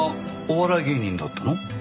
お笑い芸人だったの？